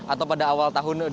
atau pada awal tahun dua ribu dua